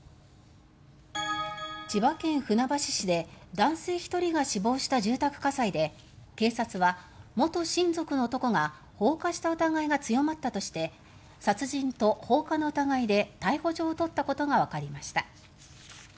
千葉県船橋市で男性１人が死亡した住宅火災で警察は元親族の男が放火した疑いが強まったとして殺人と放火の疑いで逮捕状を取ったことがわかりました。